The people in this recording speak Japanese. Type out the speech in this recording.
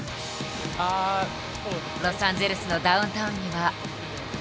ロサンゼルスのダウンタウンには。